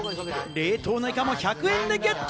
冷凍のイカも１００円でゲット！